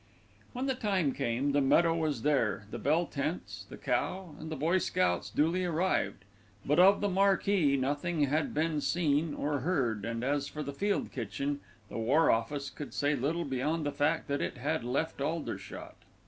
When the time came, the meadow was there, the bell tents, the cow, and the boy scouts duly arrived; but of the marquee nothing had been seen or heard, and as for the field kitchen, the War Office could say little beyond the fact that it had left Aldershot.